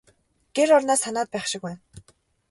Гэр орноо санаад байх шиг байна.